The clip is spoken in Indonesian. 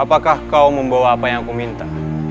apakah kau membawa apa yang kuminta